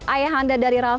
ayah anda dari raffi